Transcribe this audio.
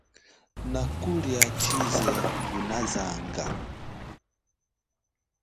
Na kulia chize ngunazanga.